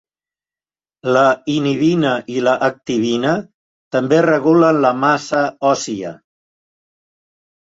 La inhibina i les activina també regulen la massa òssia.